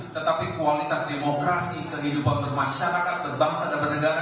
tetapi kualitas demokrasi kehidupan bermasyarakat berbangsa dan bernegara